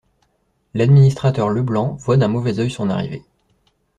L'administrateur Leblanc voit d'un mauvais œil son arrivée.